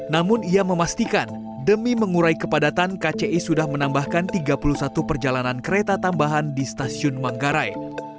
namun ia memastikan demi mengurai kepadatan kci sudah menambahkan tiga puluh satu perjalanan kereta tambahan di stasiun manggarai